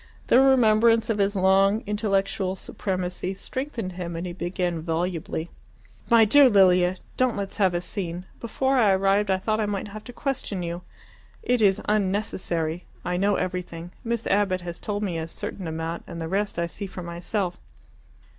The remembrance of his long intellectual supremacy strengthened him, and he began volubly "My dear Lilia, don't let's have a scene. Before I arrived I thought I might have to question you. It is unnecessary. I know everything. Miss Abbott has told me a certain amount, and the rest I see for myself."